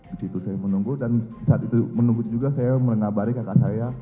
di situ saya menunggu dan saat itu menunggu juga saya mengabari kakak saya